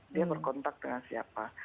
dia berkontak dengan siapa